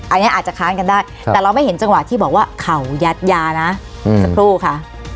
อันนี้อาจจะค้านกันได้แต่เราไม่เห็นจังหวะที่บอกว่าเข่ายัดยานะสักครู่ค่ะ